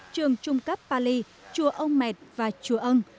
trường trung cấp pali chùa ông mệt và chùa ân